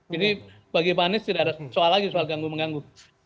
jadi bagi pak anies tidak ada soal lagi soal ganggu mengganggu